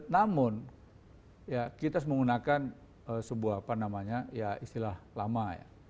namun kita menggunakan sebuah apa namanya istilah lama